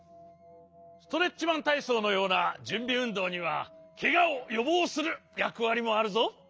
ストレッチマンたいそうのようなじゅんびうんどうにはケガをよぼうするやくわりもあるぞ。